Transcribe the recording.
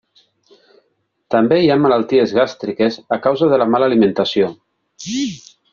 També hi ha malalties gàstriques a causa de la mala alimentació.